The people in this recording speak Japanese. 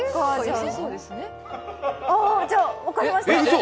ああ、じゃ、分かりました。